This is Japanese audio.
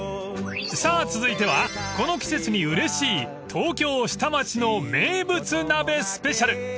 ［さあ続いてはこの季節にうれしい東京下町の名物鍋スペシャル］